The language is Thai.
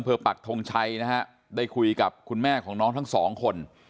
เพื่อปักทงชัยนะฮะได้คุยกับคุณแม่ของน้องทั้งสองคน